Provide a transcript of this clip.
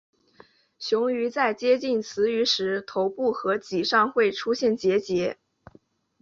雄鱼在接近雌鱼时头部和鳍上会出现结节。